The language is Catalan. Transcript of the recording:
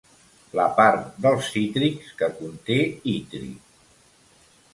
La part dels cítrics que conté itri.